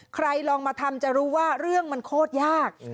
ใครลองมาทำจะรู้ว่าเรื่องมันโคตรยาก